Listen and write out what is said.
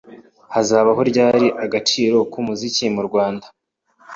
Hazabaho ryari agaciro k'umuziki mu Rwanda